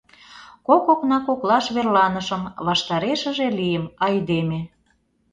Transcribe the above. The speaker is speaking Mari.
Кок окна коклаш верланышым, ваштарешыже лийым — айдеме.